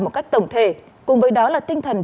một cách tổng thể cùng với đó là tinh thần